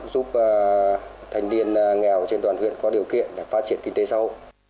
giúp thanh niên nghèo trên đoàn huyện có điều kiện để phát triển kinh tế sâu